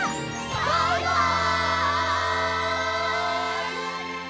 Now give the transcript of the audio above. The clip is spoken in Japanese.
バイバイ！